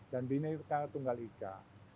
dan bhinneka tunggal ika